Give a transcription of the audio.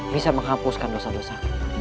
bisa menghapuskan dosa dosa